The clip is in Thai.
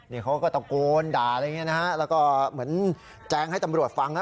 นี่เขาก็ตะโกนด่าอะไรอย่างนี้นะฮะแล้วก็เหมือนแจงให้ตำรวจฟังนะ